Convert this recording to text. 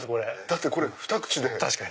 だってこれふた口で。